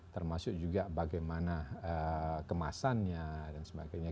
termasuk juga bagaimana kemasannya dan sebagainya